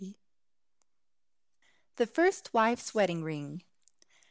THE FIRST WIFE'S WEDDING RING.